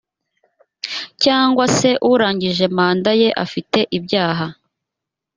cyangwa se urangije manda ye afite ibyaha